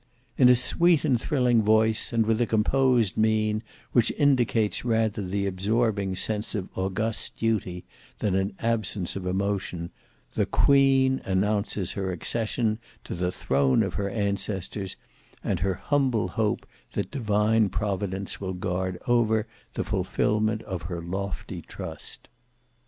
In a sweet and thrilling voice, and with a composed mien which indicates rather the absorbing sense of august duty than an absence of emotion, THE QUEEN announces her accession to the throne of her ancestors, and her humble hope that divine providence will guard over the fulfilment of her lofty trust.